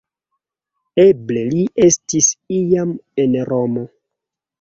Eble li estis iam en Romo.